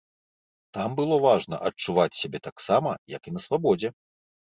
Там было важна адчуваць сябе таксама, як і на свабодзе.